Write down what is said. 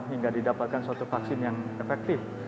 hingga didapatkan suatu vaksin yang efektif